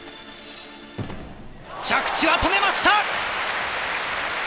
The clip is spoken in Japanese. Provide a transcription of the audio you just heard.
着地は止めました！